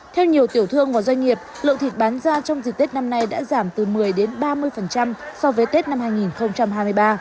theo nhiều tiểu thương và doanh nghiệp lượng thịt bán ra trong dịp tết năm nay đã giảm từ một mươi ba mươi so với tết năm hai nghìn hai mươi ba